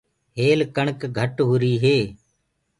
هيل ڪڻڪ گھٽ هوُري هي۔